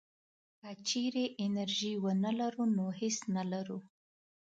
که چېرې انرژي ونه لرو نو هېڅ نه لرو.